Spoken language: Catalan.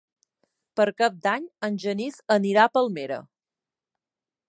Per Cap d'Any en Genís anirà a Palmera.